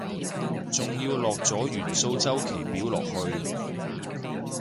仲要落咗元素週期表入去